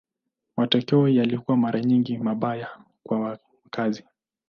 Matokeo yalikuwa mara nyingi mabaya kwa wakazi.